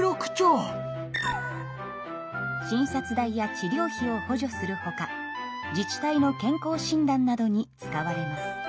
診察代や治療費を補助するほか自治体の健康診断などに使われます。